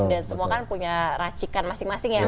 dan semua kan punya racikan masing masing ya